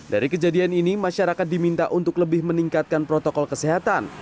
dari kejadian ini masyarakat diminta untuk lebih meningkatkan protokol kesehatan